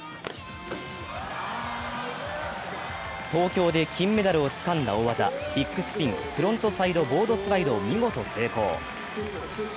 東京で金メダルをつかんだ大技、ビッグスピンフロントサイドボードスライドを見事成功。